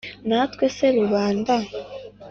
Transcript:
Na twese rubanda